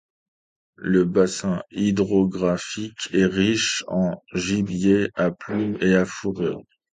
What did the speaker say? Le bassin hydrographique est riche en gibier à plumes et à fourrures.